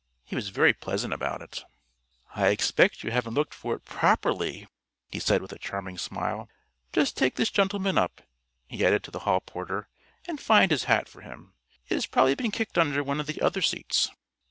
He was very pleasant about it. "I expect you haven't looked for it properly," he said, with a charming smile. "Just take this gentleman up," he added to the hall porter, "and find his hat for him. It has probably been kicked under one of the other seats."